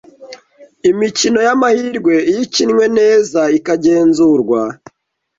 Imikino y’amahirwe iyo ikinwe neza, ikagenzurwa,